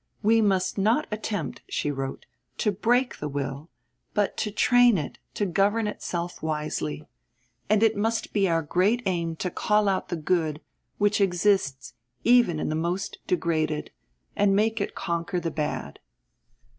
"We must not attempt," she wrote, "to break the will, but to train it to govern itself wisely; and it must be our great aim to call out the good, which exists even in the most degraded, and make it conquer the bad."